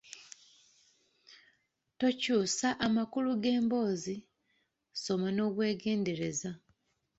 Tokyusa amakulu g’emboozi, soma n’obwegendereza.